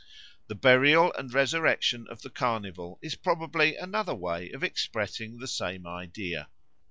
The burial and resurrection of the Carnival is probably another way of expressing the same idea.